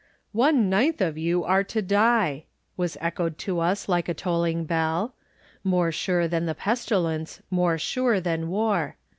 ''One ninth of you are to dUr was echoed to us like a tolling bell; more sure than the pestilence, more sure than war.